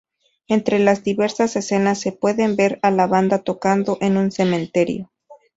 Entre las diversas escenas se puede ver a la banda tocando en un cementerio.